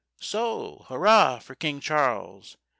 _So, hurrah for King Charles!